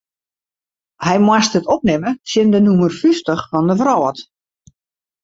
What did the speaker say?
Hy moast it opnimme tsjin de nûmer fyftich fan de wrâld.